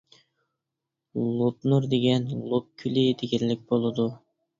لوپنۇر دېگەن لوپ كۆلى دېگەنلىك بولىدۇ.